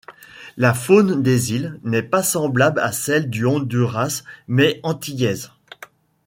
La faune des îles n'est pas semblable à celle du Honduras mais antillaise.